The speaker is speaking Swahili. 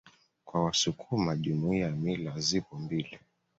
Kwa wasukuma Jumuiya za mila zipo mbili